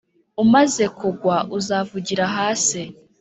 Umaze kugwa uzavugira hasi;